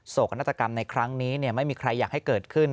กนาฏกรรมในครั้งนี้ไม่มีใครอยากให้เกิดขึ้น